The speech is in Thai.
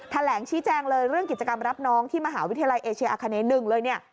แถลงชี้แจงเลยเรื่องกิจกรรมรับน้องที่มหาวิทยาลัยเอเชียอาคาเน๑เลยเนี่ย